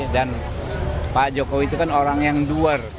dan pak jokowi itu kan orang yang duar